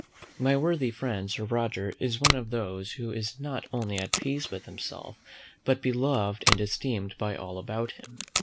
My worthy friend Sir Roger is one of those who is not only at peace within himself, but beloved and esteemed by all about him.